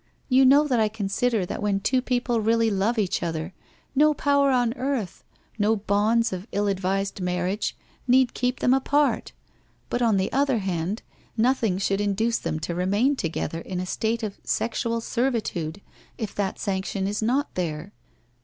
You know that I consider that when two people really love each other, no power on earth, no bonds of ill advised marriage, need keep them apart, but on the other hand, nothing should induce them to remain together in a state of sexual servitude if that sanction is not there.